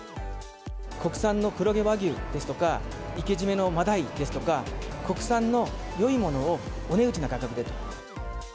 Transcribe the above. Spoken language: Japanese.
国産の黒毛和牛ですとか、生け締めのマダイですとか、国産のよいものをお値打ちな価格でと。